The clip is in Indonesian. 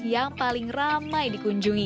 yang paling raranya di jalan jalan jalan